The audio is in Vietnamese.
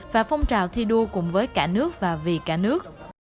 và phong trào thi đua cùng với cả nước và vì cả nước